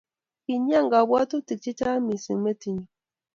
Kinyia kabwatutik che chang mising metinyu